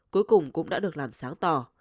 cuối cùng cũng đã được làm sáng tỏ